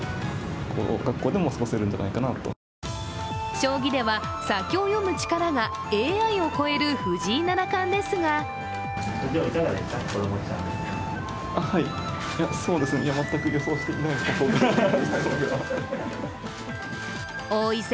将棋では、先を読む能力がＡＩを超える藤井七冠ですが王位戦